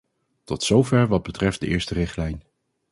Tot zover wat betreft de eerste richtlijn.